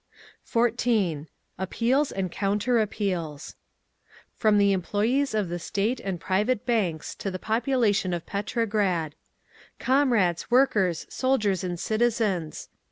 _ 14. APPEALS AND COUNTER APPEALS From the Employees of the State and private Banks To the Population of Petrograd: "Comrades workers, soldiers and citizens!